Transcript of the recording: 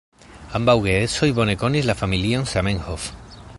Ambaŭ geedzoj bone konis la familion Zamenhof.